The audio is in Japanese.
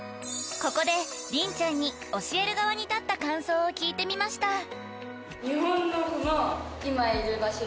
［ここで凛ちゃんに教える側に立った感想を聞いてみました］